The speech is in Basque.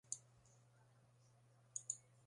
Dirua duen zakurrari zakur jauna deitzen zaio.